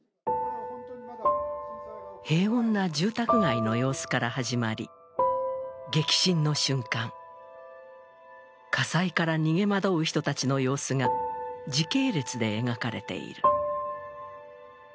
平穏な住宅街の様子から始まり、激震の瞬間、火災から逃げまどう人たちの様子が時系列で描かれている。